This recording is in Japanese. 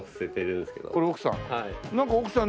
これ奥さん？